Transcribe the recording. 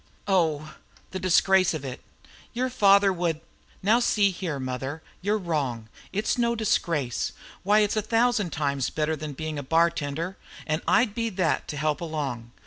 "Oh! the disgrace of it! Your father would " "Now, see here, mother, you're wrong. It's no disgrace. Why, it's a thousand times better than being a bartender, and I'd be that to help along.